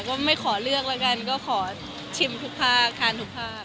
ก็ไม่ขอเลือกแล้วกันก็ขอชิมทุกภาคทานทุกภาค